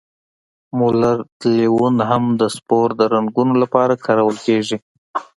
مولر تلوین هم د سپور د رنګولو لپاره کارول کیږي.